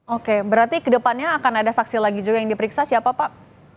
oke berarti kedepannya akan ada saksi lagi juga yang diperiksa siapa pak